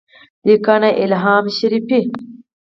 لیکنه : الهام شریفي